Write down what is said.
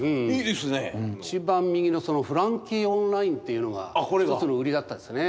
一番右の「フランキー・オンライン」っていうのが１つの売りだったですね。